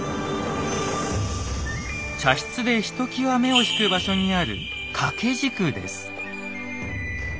茶室でひときわ目を引く場所にある掛け軸です。